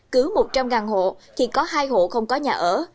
cứ một trăm linh hộ thì có hai hộ không có nhà ở